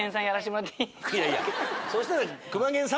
いやいやそしたら大丈夫？